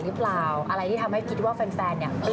มีความสงสัยมีความสงสัย